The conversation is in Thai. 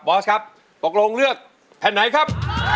อสครับตกลงเลือกแผ่นไหนครับ